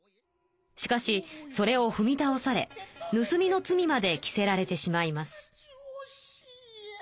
しかしそれをふみたおされぬすみの罪まで着せられてしまいます。